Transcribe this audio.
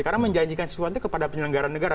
karena menjanjikan sesuatu kepada penyelenggaran negara